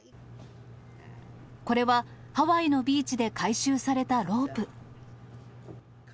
これはハワイのビーチで回収されたロープ。